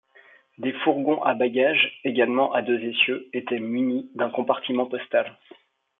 Les fourgons à bagages, également à deux essieux, étaient munis d’un compartiment postal.